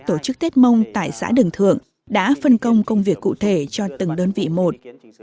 tổ chức tết mông tại xã đường thượng đã phân công công việc cụ thể cho từng đơn vị một